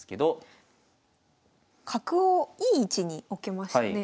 角をいい位置に置けましたね。